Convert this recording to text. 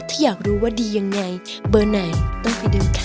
ถ้าอยากรู้ว่าดียังไงเบอร์ไหนต้องไปดูค่ะ